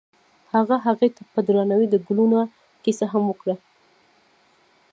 هغه هغې ته په درناوي د ګلونه کیسه هم وکړه.